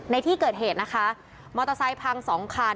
ในที่เกิดเหตุนะคะมอเตอร์ไซค์พังสองคัน